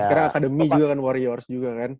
sekarang akademi juga kan warriors juga kan